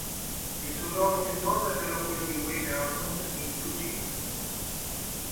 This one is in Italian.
Il suo ruolo più noto è però quello di Wayne Arnold in "Blue Jeans".